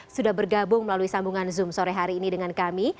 sudah bergabung melalui sambungan zoom sore hari ini dengan kami